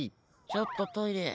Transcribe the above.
ちょっとトイレ。